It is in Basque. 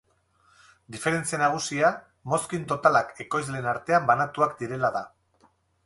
Diferentzia nagusia mozkin totalak ekoizleen artean banatuak direla da.